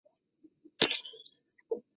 勐腊鞭藤为棕榈科省藤属下的一个种。